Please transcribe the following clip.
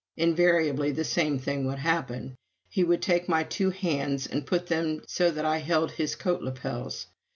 Invariably the same thing would happen. He would take my two hands and put them so that I held his coat lapels.